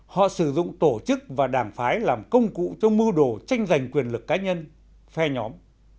họ sử dụng tổ chức và đảng phái làm công cụ cho mưu đồ tranh giành quyền lực cá nhân phe nhóm